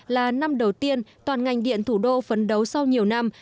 là năm đầu tiên toàn ngành điện thủ đô phấn đấu sau nhiều năm